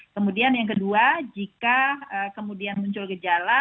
kemudian yang kedua jika kemudian muncul gejala